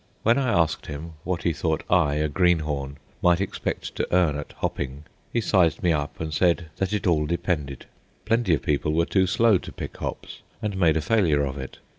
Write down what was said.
When I asked him what he thought I, a greenhorn, might expect to earn at "hopping," he sized me up, and said that it all depended. Plenty of people were too slow to pick hops and made a failure of it.